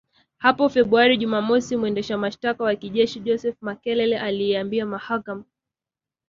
hapo Februari Jumamosi mwendesha mashtaka wa kijeshi Joseph Makelele aliiambia mahakama